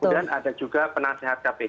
kemudian ada juga penasehat kpk